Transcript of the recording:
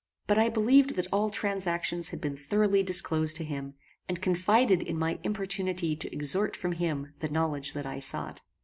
But I believed that all transactions had been thoroughly disclosed to him, and confided in my importunity to extort from him the knowledge that I sought.